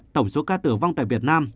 tổng số ca tử vong tại việt nam